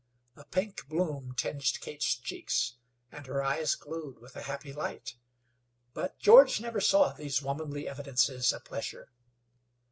A pink bloom tinged Kate's cheeks, and her eyes glowed with a happy light; but George never saw these womanly evidences of pleasure.